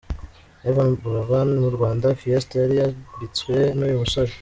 Yvan Buravan muri Rwanda Fiesta yari yambitswe n'uyu musore.